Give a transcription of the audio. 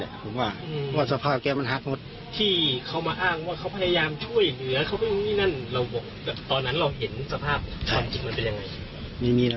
เราก็อย่า